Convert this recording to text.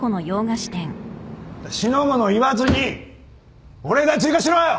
四の五の言わずに保冷剤追加しろよ！